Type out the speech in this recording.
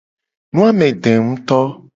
Nu a me de nguto.